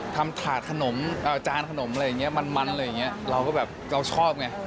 ทำขาดขนมจานขนมมันเราก็ชอบไง